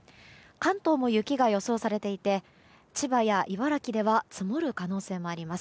関東も雪が予想されていて千葉や茨城では積もる可能性もあります。